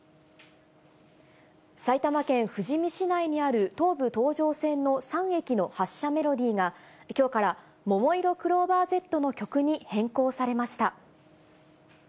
埼玉県富士見市内にある東武東上線の３駅の発車メロディーが、きょうから、ももいろクローバーＺの曲に変更されました。